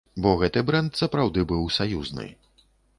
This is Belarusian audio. Бо гэты брэнд сапраўды быў саюзны.